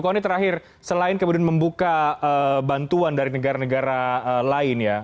kony terakhir selain kemudian membuka bantuan dari negara negara lain ya